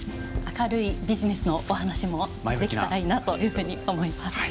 明るいビジネスのお話もできたらいいなというふうに思います。